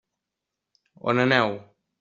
On aneu?